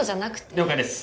了解です。